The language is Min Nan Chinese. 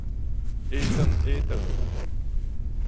矮頓矮頓